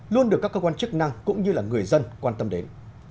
luôn được các cơ quan chức năng cũng như là người dân quan tâm đến